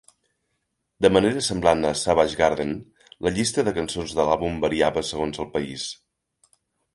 De manera semblant a "Savage Garden", la llista de cançons de l'àlbum variava segons el país.